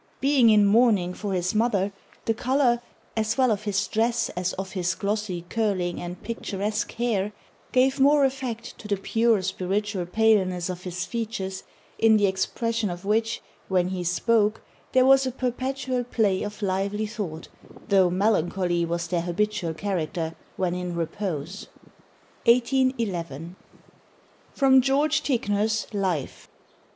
Being in mourning for his mother, the colour, as well of his dress as of his glossy, curling, and picturesque hair, gave more effect to the pure, spiritual paleness of his features, in the expression of which, when he spoke, there was a perpetual play of lively thought, though melancholy was their habitual character when in repose." 1811. [Sidenote: Geo. Ticknor's Life.